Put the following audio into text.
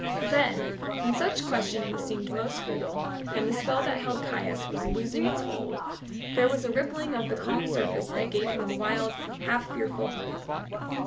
Then, when such questioning seemed most futile, and the spell that held Caius was loosing its hold, there was a rippling of the calm surface that gave him a wild, half fearful hope.